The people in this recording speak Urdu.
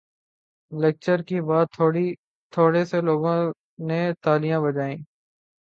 لیکچر کے بات تھورے سے لوگوں نے تالیاں بجائی